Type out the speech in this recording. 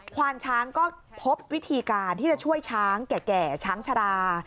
ควานช้างก็พบวิธีการที่จะช่วยช้างแก่ช้างชรา